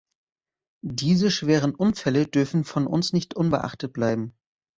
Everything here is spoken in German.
Diese schweren Unfälle dürfen von uns nicht unbeachtet bleiben.